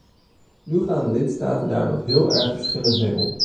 Nu gaan lidstaten daar nog heel erg verschillend mee om.